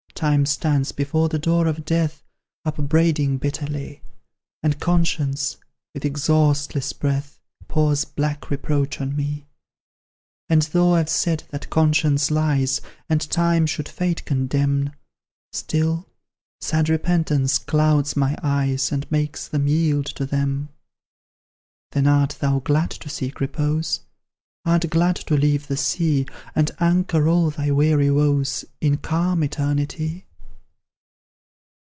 "Time stands before the door of Death, Upbraiding bitterly And Conscience, with exhaustless breath, Pours black reproach on me: "And though I've said that Conscience lies And Time should Fate condemn; Still, sad Repentance clouds my eyes, And makes me yield to them! "Then art thou glad to seek repose? Art glad to leave the sea, And anchor all thy weary woes In calm Eternity?